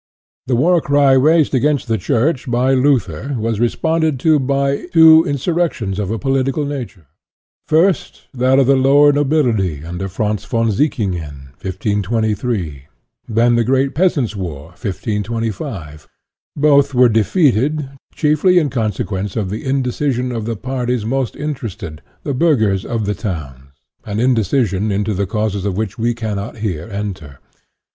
The war cry raised 26 INTRODUCTION against the Church by Luther was responded to by two insurrections of a political nature: first, that of the lower nobility under Franz von Sickingen (1523), then the great Peasants' War, 1525. Both were defeated, chiefly in consequence of the indecision of the parties most interested, the burghers of the towns an indecision into the causes of which we cannot here enter.